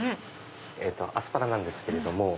アスパラなんですけれども。